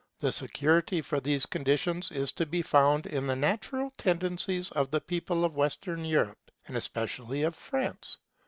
The security for these conditions is to be found in the natural tendencies of the people of Western Europe, and especially of France.